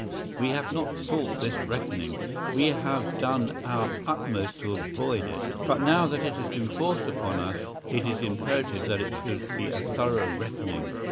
We have not sought this reckoning, we have done our utmost to avoid it; but now that it has been forced upon us it is imperative that it should be a thorough reckoning.